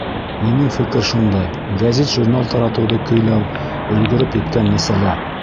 Минең фекер шундай: гәзит-журнал таратыуҙы көйләү — өлгөрөп еткән мәсьәлә.